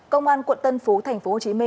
công an quận tân phú tp hcm